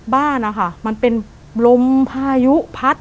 บ้านนะคะมันเป็นลมพายุพัด